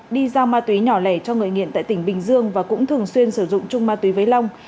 đi giao ma túy nhỏ lẻ cho người nghiện tại tỉnh bình dương và cũng thường xuyên sử dụng chung ma túy với long